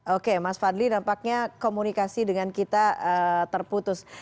oke mas fadli nampaknya komunikasi dengan kita terputus